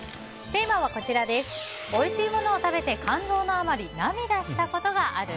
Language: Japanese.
テーマは、おいしいモノを食べて感動のあまり涙したことがある？